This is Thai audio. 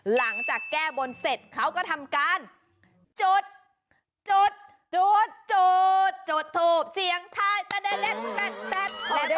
หลังจากแก้บ้นเสร็จเขาก็ทำการจุดจุดจุดจุด